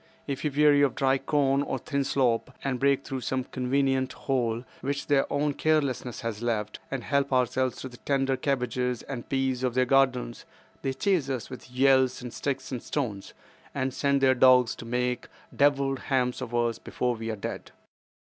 If we weary of dry corn or thin slop, and break through some convenient hole which their own carelessness has left, and help ourselves to the tender cabbages and peas of their gardens, they chase us with yells and sticks and stones, and send their dogs to make devilled ham of us before we are dead."